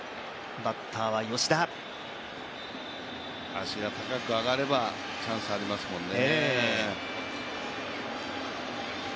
足が高く上がればチャンスありますもんね。